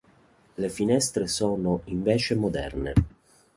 Le finestre sono invece moderne.